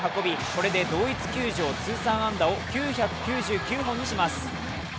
これで同一球場通算安打を９９９本にします。